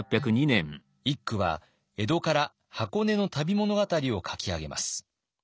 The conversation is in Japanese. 一九は江戸から箱根の旅物語を書き上げます。